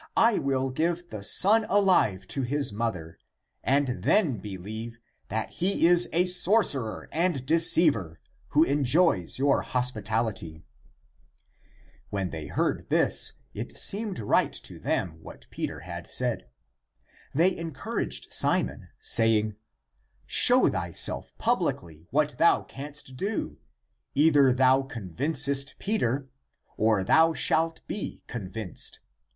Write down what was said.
I will give the son alive to his mother, and (then) believe, that he is a sorcerer and deceiver, who enjoys your hospitality." When they heard this, it seemed right to them what Peter had said. They encouraged Simon, saying, " Show thyself publicly what thou canst do: either thou convin cest (Peter) or thou shalt be convinced.